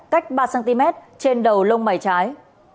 cách ba cm trên đầu lông mày trái